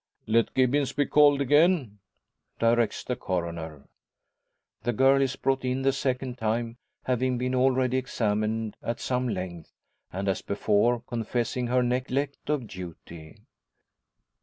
"Let Gibbons be called again!" directs the Coroner. The girl is brought in the second time, having been already examined at some length, and, as before, confessing her neglect of duty.